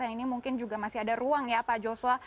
ini mungkin juga masih ada ruang ya pak joshua